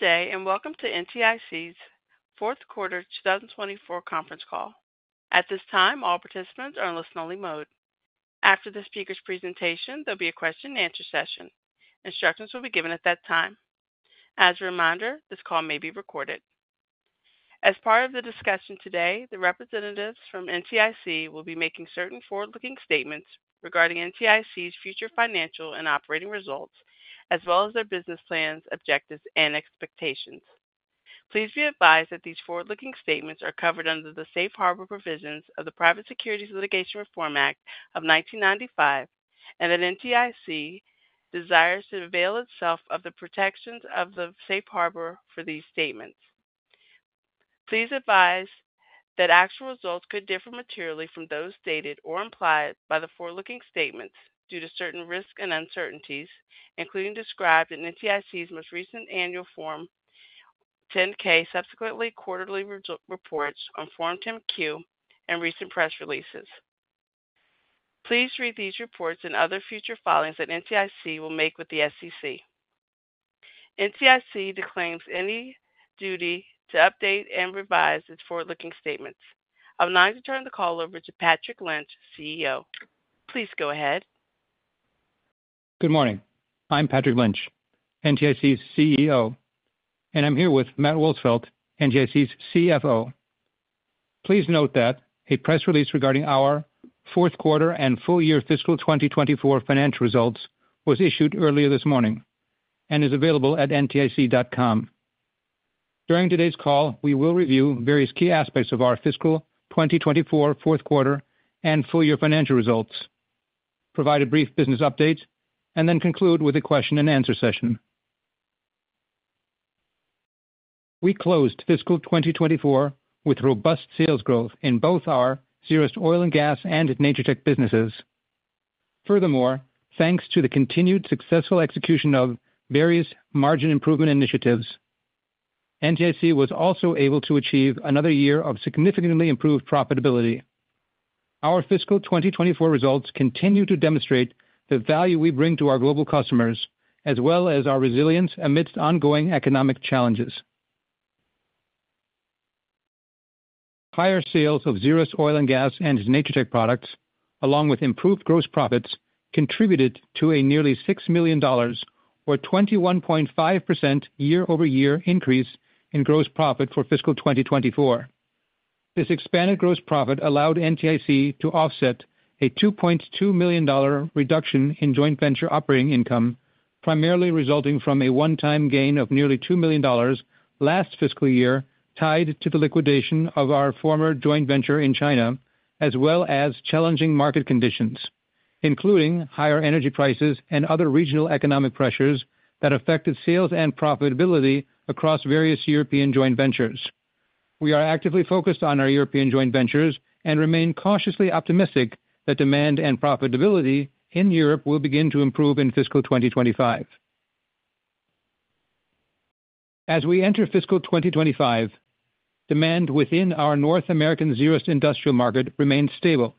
Good day, and welcome to NTIC's fourth quarter 2024 conference call. At this time, all participants are in listen-only mode. After the speaker's presentation, there'll be a question-and-answer session. Instructions will be given at that time. As a reminder, this call may be recorded. As part of the discussion today, the representatives from NTIC will be making certain forward-looking statements regarding NTIC's future financial and operating results, as well as their business plans, objectives, and expectations. Please be advised that these forward-looking statements are covered under the safe harbor provisions of the Private Securities Litigation Reform Act of 1995, and that NTIC desires to avail itself of the protections of the safe harbor for these statements. Please advise that actual results could differ materially from those stated or implied by the forward-looking statements due to certain risks and uncertainties, including described in NTIC's most recent annual Form 10-K, subsequent quarterly reports on Form 10-Q, and recent press releases. Please read these reports and other future filings that NTIC will make with the SEC. NTIC disclaims any duty to update and revise its forward-looking statements. I'm now going to turn the call over to Patrick Lynch, CEO. Please go ahead. Good morning. I'm Patrick Lynch, NTIC's CEO, and I'm here with Matt Wolsfeld, NTIC's CFO. Please note that a press release regarding our fourth quarter and full-year fiscal 2024 financial results was issued earlier this morning and is available at ntic.com. During today's call, we will review various key aspects of our fiscal 2024 fourth quarter and full-year financial results, provide a brief business update, and then conclude with a question-and-answer session. We closed fiscal 2024 with robust sales growth in both our Zerust Oil & Gas and Natur-Tec businesses. Furthermore, thanks to the continued successful execution of various margin improvement initiatives, NTIC was also able to achieve another year of significantly improved profitability. Our fiscal 2024 results continue to demonstrate the value we bring to our global customers, as well as our resilience amidst ongoing economic challenges. Higher sales of Zerust Oil & Gas and Natur-Tec products, along with improved gross profits, contributed to a nearly $6 million, or 21.5% year-over-year increase in gross profit for fiscal 2024. This expanded gross profit allowed NTIC to offset a $2.2 million reduction in joint venture operating income, primarily resulting from a one-time gain of nearly $2 million last fiscal year tied to the liquidation of our former joint venture in China, as well as challenging market conditions, including higher energy prices and other regional economic pressures that affected sales and profitability across various European joint ventures. We are actively focused on our European joint ventures and remain cautiously optimistic that demand and profitability in Europe will begin to improve in fiscal 2025. As we enter fiscal 2025, demand within our North American Zerust industrial market remains stable,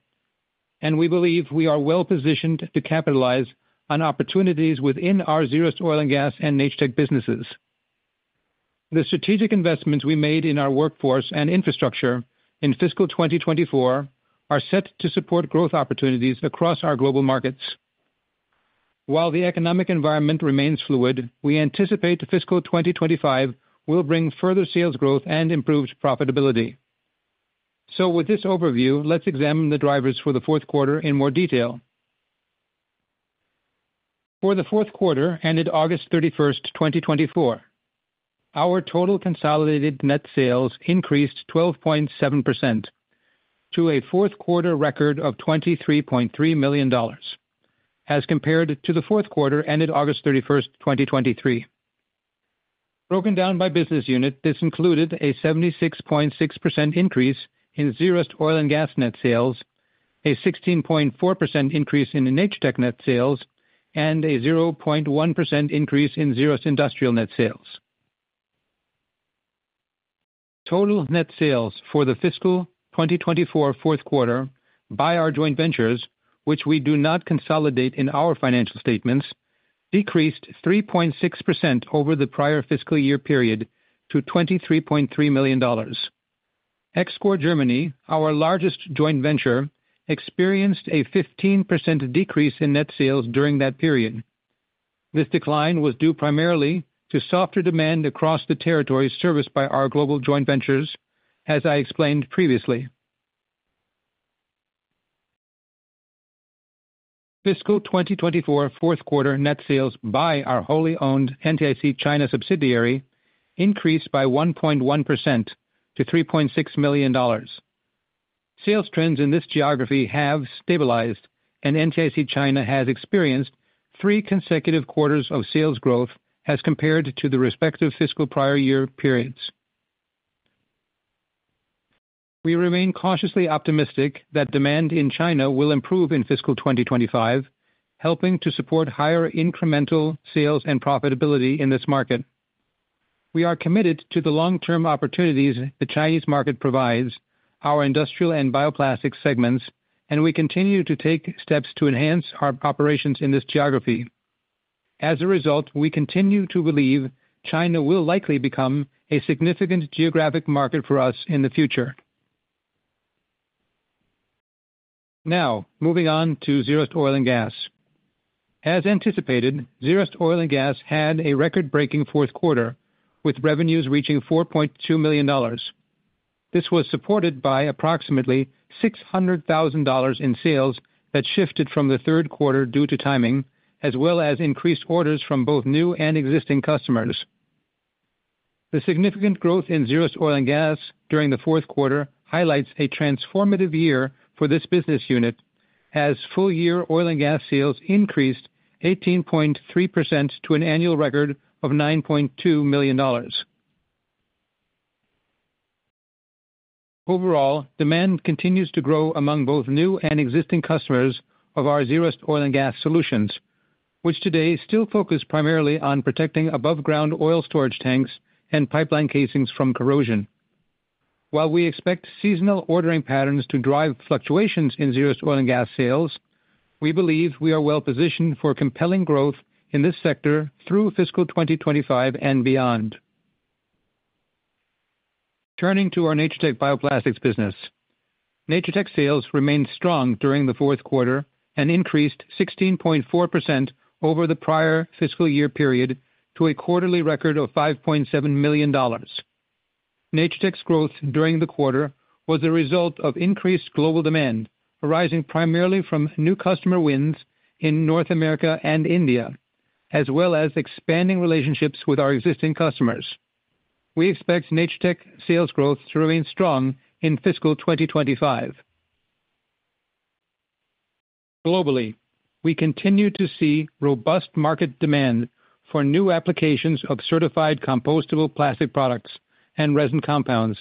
and we believe we are well-positioned to capitalize on opportunities within our Zerust Oil & Gas and Natur-Tec businesses. The strategic investments we made in our workforce and infrastructure in fiscal 2024 are set to support growth opportunities across our global markets. While the economic environment remains fluid, we anticipate fiscal 2025 will bring further sales growth and improved profitability. So, with this overview, let's examine the drivers for the fourth quarter in more detail. For the fourth quarter ended August 31, 2024, our total consolidated net sales increased 12.7% to a fourth quarter record of $23.3 million, as compared to the fourth quarter ended August 31, 2023. Broken down by business unit, this included a 76.6% increase in Zerust Oil & Gas net sales, a 16.4% increase in Natur-Tec net sales, and a 0.1% increase in Zerust Industrial net sales. Total net sales for the fiscal 2024 fourth quarter by our joint ventures, which we do not consolidate in our financial statements, decreased 3.6% over the prior fiscal year period to $23.3 million. Excor Germany, our largest joint venture, experienced a 15% decrease in net sales during that period. This decline was due primarily to softer demand across the territories serviced by our global joint ventures, as I explained previously. Fiscal 2024 fourth quarter net sales by our wholly owned NTIC China subsidiary increased by 1.1% to $3.6 million. Sales trends in this geography have stabilized, and NTIC China has experienced three consecutive quarters of sales growth as compared to the respective fiscal prior year periods. We remain cautiously optimistic that demand in China will improve in fiscal 2025, helping to support higher incremental sales and profitability in this market. We are committed to the long-term opportunities the Chinese market provides our industrial and bioplastic segments, and we continue to take steps to enhance our operations in this geography. As a result, we continue to believe China will likely become a significant geographic market for us in the future. Now, moving on to Zerust Oil & Gas. As anticipated, Zerust Oil & Gas had a record-breaking fourth quarter, with revenues reaching $4.2 million. This was supported by approximately $600,000 in sales that shifted from the third quarter due to timing, as well as increased orders from both new and existing customers. The significant growth in Zerust Oil & Gas during the fourth quarter highlights a transformative year for this business unit, as full-year oil and gas sales increased 18.3% to an annual record of $9.2 million. Overall, demand continues to grow among both new and existing customers of our Zerust Oil & Gas Solutions, which today still focus primarily on protecting above-ground oil storage tanks and pipeline casings from corrosion. While we expect seasonal ordering patterns to drive fluctuations in Zerust Oil & Gas sales, we believe we are well-positioned for compelling growth in this sector through fiscal 2025 and beyond. Turning to our Natur-Tec bioplastics business, Natur-Tec sales remained strong during the fourth quarter and increased 16.4% over the prior fiscal year period to a quarterly record of $5.7 million. Natur-Tec's growth during the quarter was a result of increased global demand, arising primarily from new customer wins in North America and India, as well as expanding relationships with our existing customers. We expect Natur-Tec sales growth to remain strong in fiscal 2025. Globally, we continue to see robust market demand for new applications of certified compostable plastic products and resin compounds,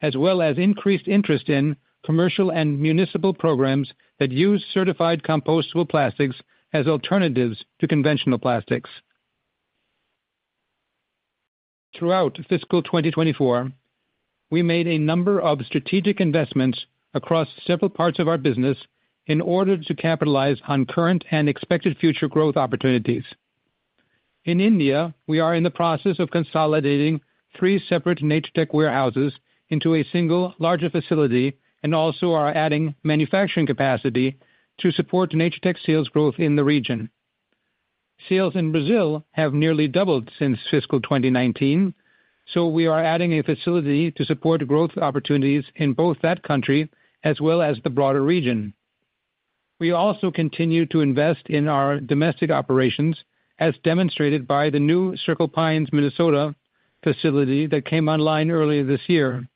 as well as increased interest in commercial and municipal programs that use certified compostable plastics as alternatives to conventional plastics. Throughout fiscal 2024, we made a number of strategic investments across several parts of our business in order to capitalize on current and expected future growth opportunities. In India, we are in the process of consolidating three separate Natur-Tec warehouses into a single larger facility and also are adding manufacturing capacity to support Natur-Tec sales growth in the region. Sales in Brazil have nearly doubled since fiscal 2019, so we are adding a facility to support growth opportunities in both that country as well as the broader region. We also continue to invest in our domestic operations, as demonstrated by the new Circle Pines, Minnesota, facility that came online earlier this year.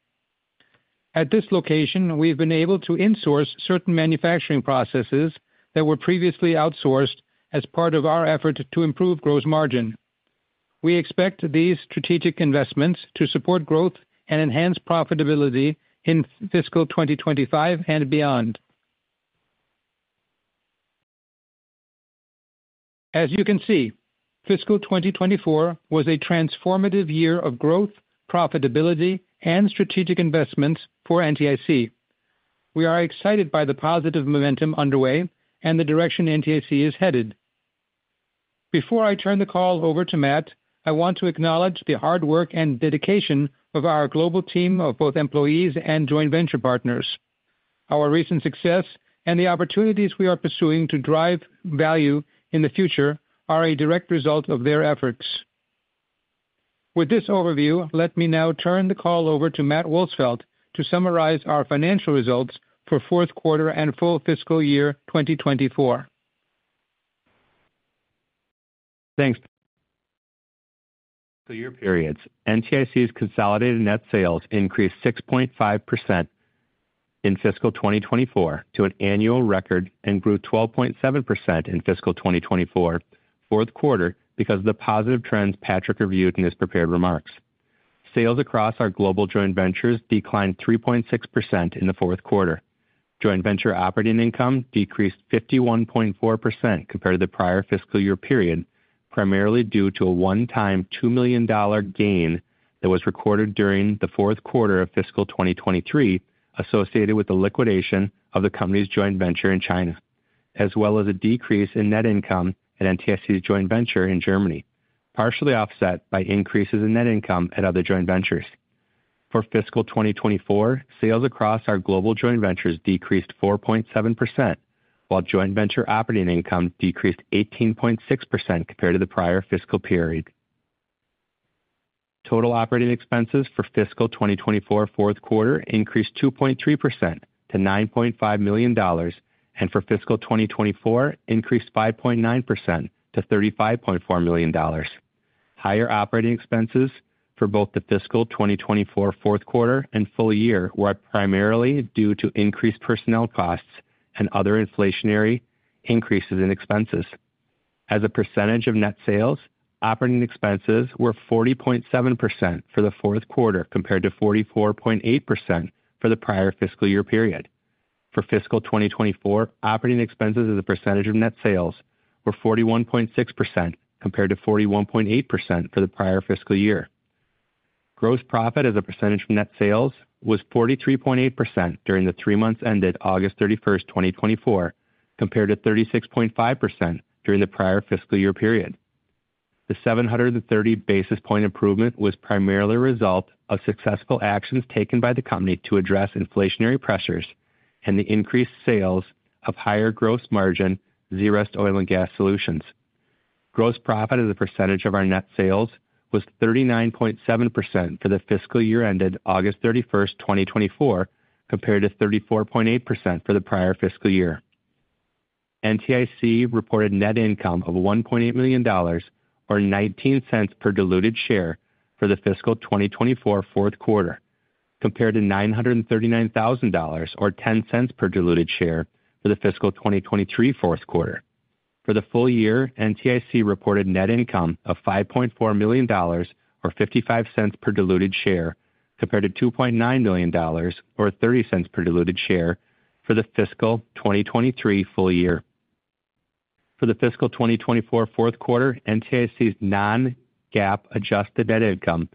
At this location, we've been able to insource certain manufacturing processes that were previously outsourced as part of our effort to improve gross margin. We expect these strategic investments to support growth and enhance profitability in fiscal 2025 and beyond. As you can see, fiscal 2024 was a transformative year of growth, profitability, and strategic investments for NTIC. We are excited by the positive momentum underway and the direction NTIC is headed. Before I turn the call over to Matt, I want to acknowledge the hard work and dedication of our global team of both employees and joint venture partners. Our recent success and the opportunities we are pursuing to drive value in the future are a direct result of their efforts. With this overview, let me now turn the call over to Matt Wolsfeld to summarize our financial results for fourth quarter and full fiscal year 2024. Thanks. the year periods, NTIC's consolidated net sales increased 6.5% in fiscal 2024 to an annual record and grew 12.7% in fiscal 2024 fourth quarter because of the positive trends Patrick reviewed in his prepared remarks. Sales across our global joint ventures declined 3.6% in the fourth quarter. Joint venture operating income decreased 51.4% compared to the prior fiscal year period, primarily due to a one-time $2 million gain that was recorded during the fourth quarter of fiscal 2023, associated with the liquidation of the company's joint venture in China, as well as a decrease in net income at NTIC's joint venture in Germany, partially offset by increases in net income at other joint ventures. For fiscal 2024, sales across our global joint ventures decreased 4.7%, while joint venture operating income decreased 18.6% compared to the prior fiscal period. Total operating expenses for fiscal 2024 fourth quarter increased 2.3% to $9.5 million, and for fiscal 2024, increased 5.9% to $35.4 million. Higher operating expenses for both the fiscal 2024 fourth quarter and full year were primarily due to increased personnel costs and other inflationary increases in expenses. As a percentage of net sales, operating expenses were 40.7% for the fourth quarter compared to 44.8% for the prior fiscal year period. For fiscal 2024, operating expenses as a percentage of net sales were 41.6% compared to 41.8% for the prior fiscal year. Gross profit as a percentage of net sales was 43.8% during the three months ended August 31, 2024, compared to 36.5% during the prior fiscal year period. The 730 basis point improvement was primarily a result of successful actions taken by the company to address inflationary pressures and the increased sales of higher gross margin Zerust Oil & Gas Solutions. Gross profit as a percentage of our net sales was 39.7% for the fiscal year ended August 31, 2024, compared to 34.8% for the prior fiscal year. NTIC reported net income of $1.8 million, or $0.19 per diluted share, for the fiscal 2024 fourth quarter, compared to $939,000, or $0.10 per diluted share, for the fiscal 2023 fourth quarter. For the full year, NTIC reported net income of $5.4 million, or $0.55 per diluted share, compared to $2.9 million, or $0.30 per diluted share, for the fiscal 2023 full year. For the fiscal 2024 fourth quarter, NTIC's non-GAAP adjusted net income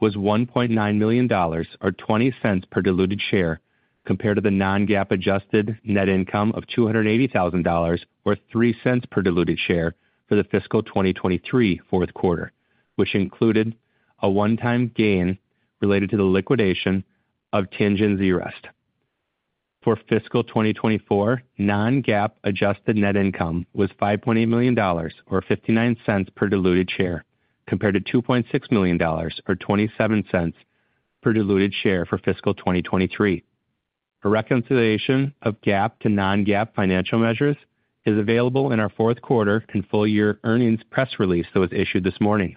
was $1.9 million, or $0.20 per diluted share, compared to the non-GAAP adjusted net income of $280,000, or $0.03 per diluted share for the fiscal 2023 fourth quarter, which included a one-time gain related to the liquidation of Tianjin Zerust. For fiscal 2024, non-GAAP adjusted net income was $5.8 million, or $0.59 per diluted share, compared to $2.6 million, or $0.27 per diluted share for fiscal 2023. A reconciliation of GAAP to non-GAAP financial measures is available in our fourth quarter and full year earnings press release that was issued this morning.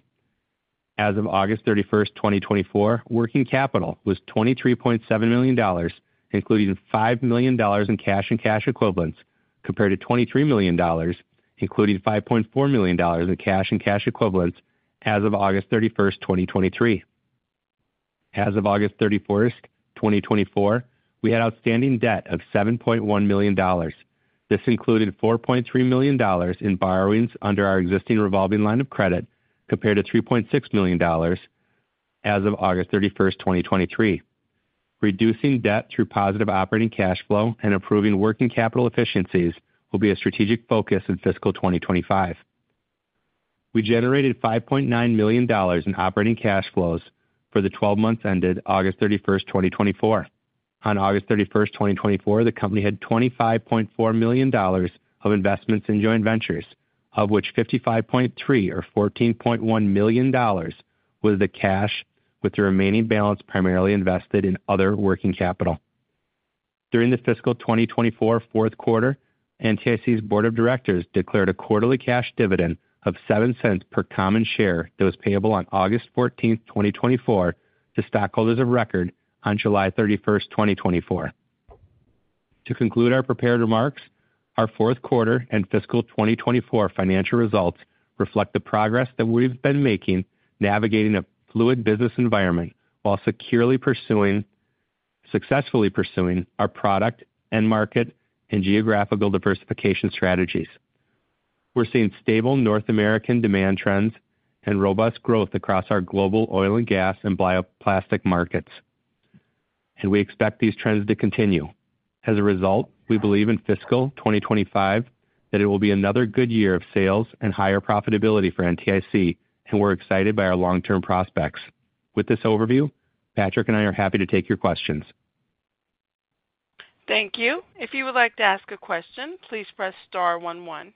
As of August 31, 2024, working capital was $23.7 million, including $5 million in cash and cash equivalents, compared to $23 million, including $5.4 million in cash and cash equivalents as of August 31, 2023. As of August 31, 2024, we had outstanding debt of $7.1 million. This included $4.3 million in borrowings under our existing revolving line of credit, compared to $3.6 million as of August 31, 2023. Reducing debt through positive operating cash flow and improving working capital efficiencies will be a strategic focus in fiscal 2025. We generated $5.9 million in operating cash flows for the 12 months ended August 31, 2024. On August 31, 2024, the company had $25.4 million of investments in joint ventures, of which $55.3, or $14.1 million, was the cash, with the remaining balance primarily invested in other working capital. During the fiscal 2024 fourth quarter, NTIC's board of directors declared a quarterly cash dividend of $0.07 per common share that was payable on August 14, 2024, to stockholders of record on July 31, 2024. To conclude our prepared remarks, our fourth quarter and fiscal 2024 financial results reflect the progress that we've been making navigating a fluid business environment while successfully pursuing our product and market and geographical diversification strategies. We're seeing stable North American demand trends and robust growth across our global oil and gas and bioplastic markets, and we expect these trends to continue. As a result, we believe in fiscal 2025 that it will be another good year of sales and higher profitability for NTIC, and we're excited by our long-term prospects. With this overview, Patrick and I are happy to take your questions. Thank you. If you would like to ask a question, please press star 11.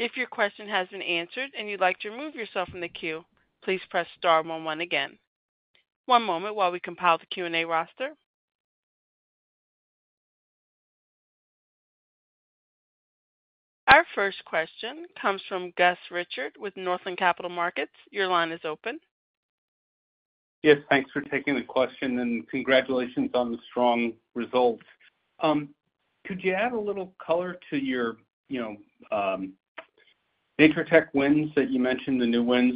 If your question has been answered and you'd like to remove yourself from the queue, please press star 11 again. One moment while we compile the Q&A roster. Our first question comes from Gus Richard with Northland Capital Markets. Your line is open. Yes, thanks for taking the question and congratulations on the strong results. Could you add a little color to your Natur-Tec wins that you mentioned, the new wins?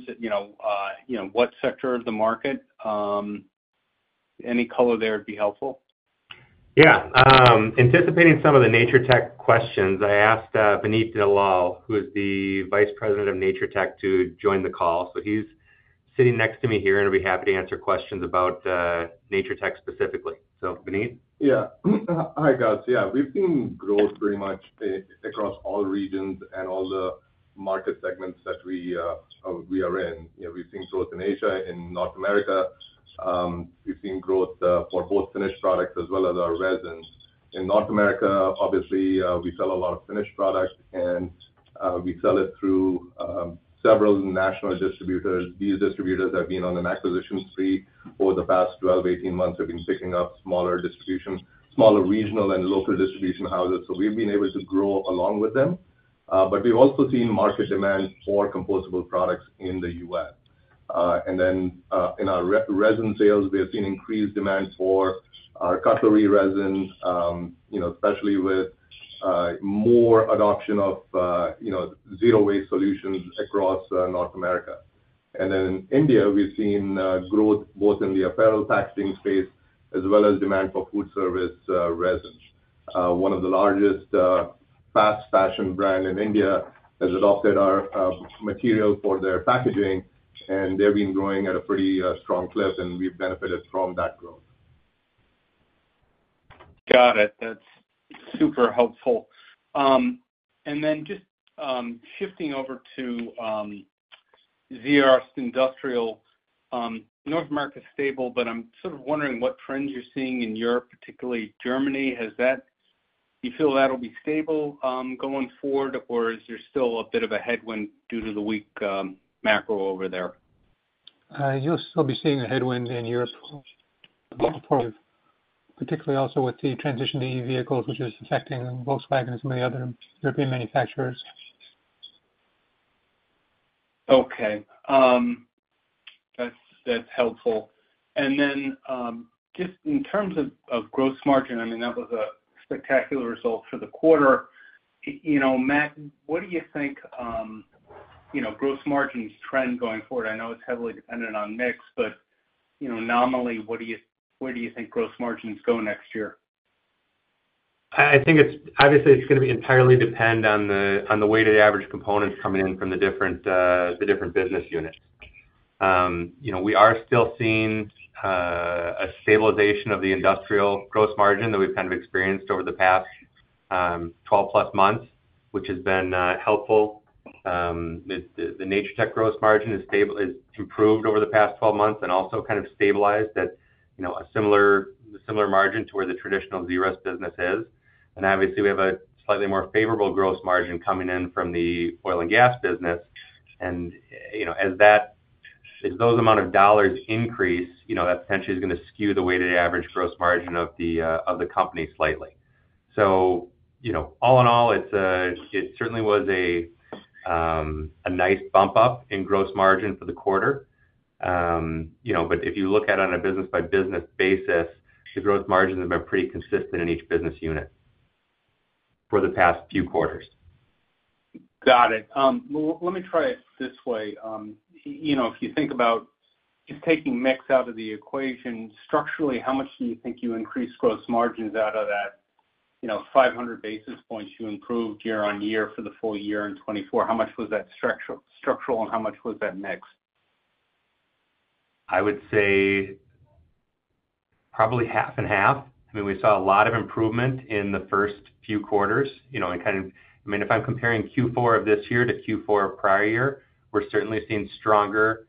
What sector of the market? Any color there would be helpful. Yeah. Anticipating some of the Natur-Tec questions, I asked Vineet Dalal, who is the Vice President of Natur-Tec, to join the call. So he's sitting next to me here and will be happy to answer questions about Natur-Tec specifically. So, Vineet Dalal? Yeah. Hi, Gus. Yeah, we've seen growth pretty much across all regions and all the market segments that we are in. We've seen growth in Asia, in North America. We've seen growth for both finished products as well as our resins. In North America, obviously, we sell a lot of finished products, and we sell it through several national distributors. These distributors have been on an acquisition spree over the past 12-18 months. They've been picking up smaller regional and local distribution houses. So we've been able to grow along with them. But we've also seen market demand for compostable products in the U.S. And then in our resin sales, we have seen increased demand for our cutlery resin, especially with more adoption of zero-waste solutions across North America. In India, we've seen growth both in the apparel packaging space as well as demand for food service resins. One of the largest fast fashion brands in India has adopted our material for their packaging, and they've been growing at a pretty strong clip, and we've benefited from that growth. Got it. That's super helpful. And then just shifting over to Zerust's Industrial, North America is stable, but I'm sort of wondering what trends you're seeing in Europe, particularly Germany. Do you feel that'll be stable going forward, or is there still a bit of a headwind due to the weak macro over there? You'll still be seeing a headwind in Europe, particularly also with the transition to EV vehicles, which is affecting Volkswagen and some of the other European manufacturers. Okay. That's helpful, and then just in terms of gross margin, I mean, that was a spectacular result for the quarter. Matt, what do you think gross margin trend going forward? I know it's heavily dependent on mix, but nominally, where do you think gross margins go next year? I think obviously it's going to entirely depend on the weighted average components coming in from the different business units. We are still seeing a stabilization of the industrial gross margin that we've kind of experienced over the past 12-plus months, which has been helpful. The Natur-Tec gross margin has improved over the past 12 months and also kind of stabilized at a similar margin to where the traditional Zerust business is. And obviously, we have a slightly more favorable gross margin coming in from the oil and gas business. And as those amount of dollars increase, that potentially is going to skew the weighted average gross margin of the company slightly. So all in all, it certainly was a nice bump up in gross margin for the quarter. But if you look at it on a business-by-business basis, the gross margins have been pretty consistent in each business unit for the past few quarters. Got it. Well, let me try it this way. If you think about just taking mix out of the equation, structurally, how much do you think you increased gross margins out of that 500 basis points you improved year on year for the full year in 2024? How much was that structural and how much was that mix? I would say probably half and half. I mean, we saw a lot of improvement in the first few quarters. I mean, if I'm comparing Q4 of this year to Q4 of prior year, we're certainly seeing stronger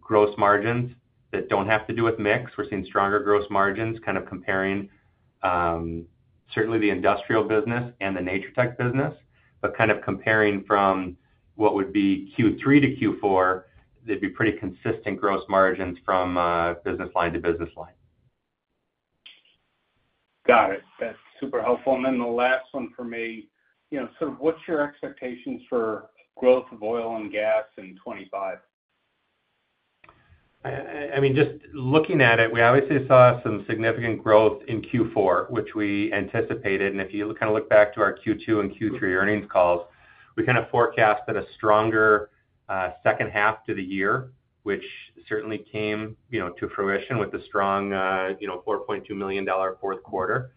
gross margins that don't have to do with mix. We're seeing stronger gross margins kind of comparing certainly the Industrial business and the Natur-Tec business. But kind of comparing from what would be Q3 to Q4, there'd be pretty consistent gross margins from business line to business line. Got it. That's super helpful. And then the last one for me, sort of what's your expectations for growth of oil and gas in 2025? I mean, just looking at it, we obviously saw some significant growth in Q4, which we anticipated, and if you kind of look back to our Q2 and Q3 earnings calls, we kind of forecasted a stronger second half to the year, which certainly came to fruition with the strong $4.2 million fourth quarter.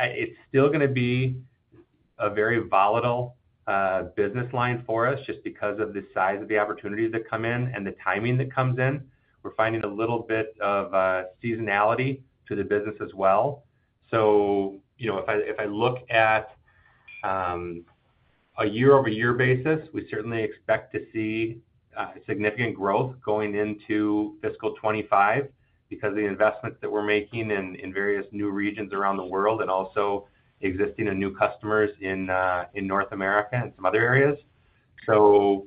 It's still going to be a very volatile business line for us just because of the size of the opportunities that come in and the timing that comes in. We're finding a little bit of seasonality to the business as well, so if I look at a year-over-year basis, we certainly expect to see significant growth going into fiscal 2025 because of the investments that we're making in various new regions around the world and also existing new customers in North America and some other areas. The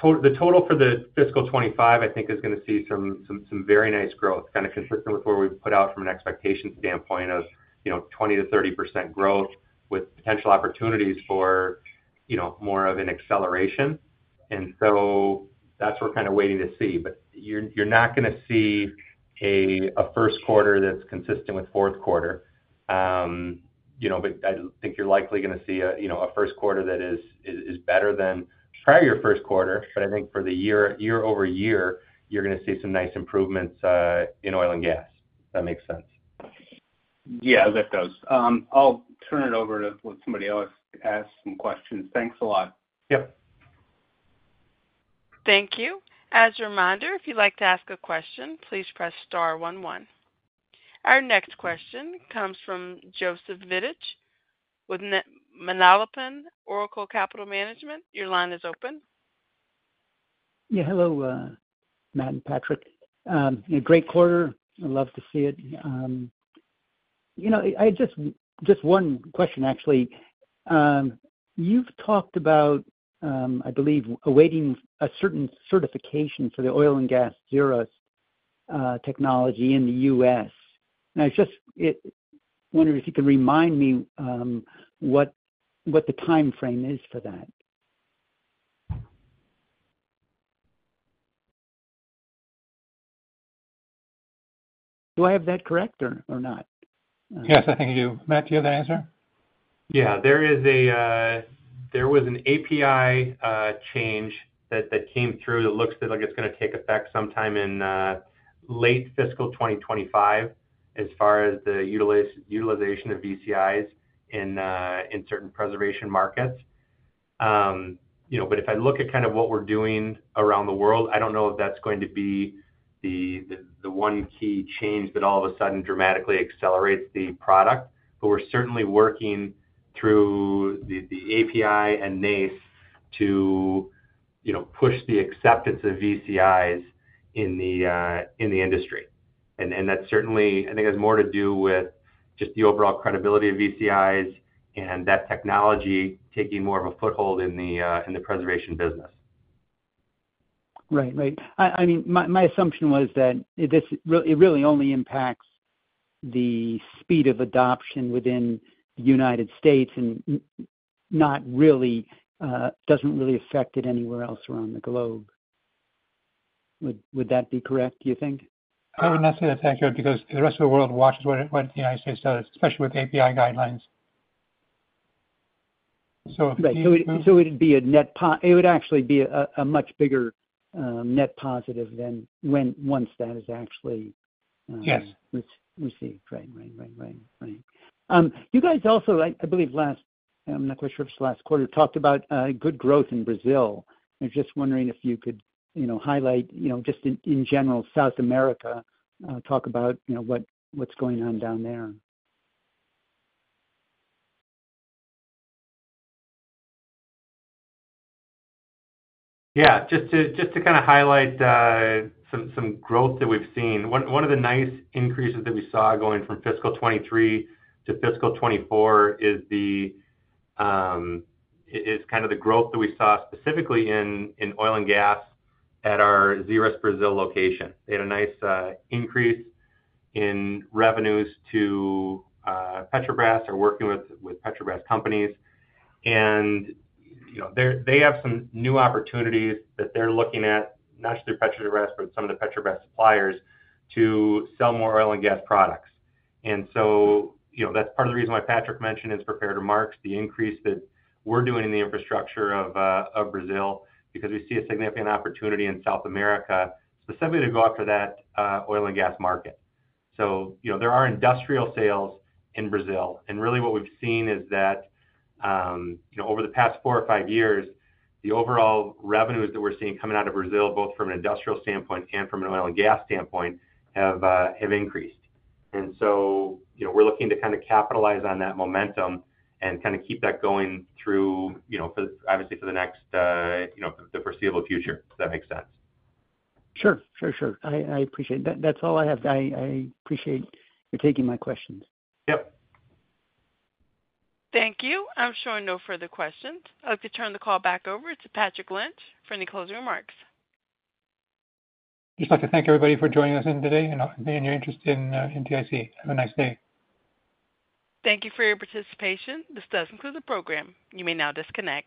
total for the fiscal 2025, I think, is going to see some very nice growth, kind of consistent with where we put out from an expectation standpoint of 20%-30% growth with potential opportunities for more of an acceleration. And so that's what we're kind of waiting to see. But you're not going to see a first quarter that's consistent with fourth quarter. But I think you're likely going to see a first quarter that is better than prior to your first quarter. But I think for the year-over-year, you're going to see some nice improvements in oil and gas, if that makes sense. Yeah, that does. I'll turn it over to let somebody else ask some questions. Thanks a lot. Yep. Thank you. As a reminder, if you'd like to ask a question, please press star 11. Our next question comes from Joseph Vidich with Manalapan-Oracle Capital Management. Your line is open. Yeah. Hello, Matt and Patrick. Great quarter. I love to see it. Just one question, actually. You've talked about, I believe, awaiting a certain certification for the Zerust Oil & Gas technology in the U.S. And I just wonder if you could remind me what the timeframe is for that. Do I have that correct or not? Yes, I think I do. Matt, do you have that answer? Yeah. There was an API change that came through that looks like it's going to take effect sometime in late fiscal 2025 as far as the utilization of VCIs in certain preservation markets. But if I look at kind of what we're doing around the world, I don't know if that's going to be the one key change that all of a sudden dramatically accelerates the product. But we're certainly working through the API and NACE to push the acceptance of VCIs in the industry. And that certainly, I think, has more to do with just the overall credibility of VCIs and that technology taking more of a foothold in the preservation business. Right. Right. I mean, my assumption was that it really only impacts the speed of adoption within the United States and doesn't really affect it anywhere else around the globe. Would that be correct, do you think? I wouldn't necessarily think so because the rest of the world watches what the United States does, especially with API guidelines. So it would be a net, it would actually be a much bigger net positive than what is actually received. Right. You guys also, I believe, last, I'm not quite sure if it's the last quarter, talked about good growth in Brazil. I'm just wondering if you could highlight, just in general, South America, talk about what's going on down there. Yeah. Just to kind of highlight some growth that we've seen, one of the nice increases that we saw going from fiscal 2023 to fiscal 2024 is kind of the growth that we saw specifically in oil and gas at our Zerust Brazil location. They had a nice increase in revenues to Petrobras or working with Petrobras companies. And they have some new opportunities that they're looking at, not just through Petrobras, but some of the Petrobras suppliers, to sell more oil and gas products. And so that's part of the reason why Patrick mentioned preparing to make the increase that we're doing in the infrastructure of Brazil because we see a significant opportunity in South America, specifically to go after that oil and gas market. So there are industrial sales in Brazil. Really what we've seen is that over the past four or five years, the overall revenues that we're seeing coming out of Brazil, both from an industrial standpoint and from an oil and gas standpoint, have increased. So we're looking to kind of capitalize on that momentum and kind of keep that going through, obviously, for the next foreseeable future, if that makes sense. Sure. Sure. Sure. I appreciate it. That's all I have. I appreciate you taking my questions. Yep. Thank you. I'm showing no further questions. I'll turn the call back over to Patrick Lynch for any closing remarks. Just like to thank everybody for joining us today and your interest in NTIC. Have a nice day. Thank you for your participation. This does conclude the program. You may now disconnect.